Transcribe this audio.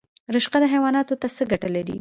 رشقه حیواناتو ته څه ګټه لري؟